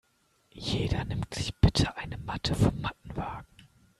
Jeder nimmt sich bitte eine Matte vom Mattenwagen.